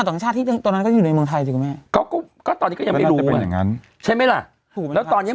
มีเพศสัมพันธ์ของชาวต่างชาติ